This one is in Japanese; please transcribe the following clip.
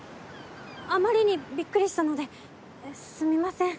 あまりにビックリしたのですみません。